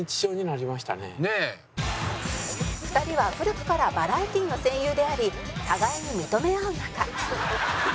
「２人は古くからバラエティの戦友であり互いに認め合う仲」